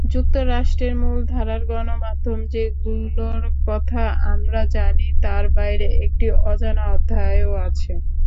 যুক্তরাষ্ট্রের মূলধারার গণমাধ্যম, যেগুলোর কথা আমরা জানি, তার বাইরে একটি অজানা অধ্যায়ও আছে।